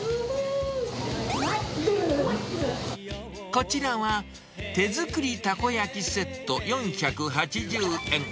こちらは、手づくりたこ焼きセット４８０円。